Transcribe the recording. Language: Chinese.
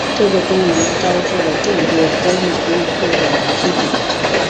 这个功能招致了众多欧美用户的批评。